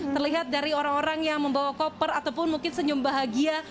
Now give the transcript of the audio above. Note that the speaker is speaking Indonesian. terlihat dari orang orang yang membawa koper ataupun mungkin senyum bahagia